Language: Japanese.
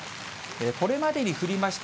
これまでに降りました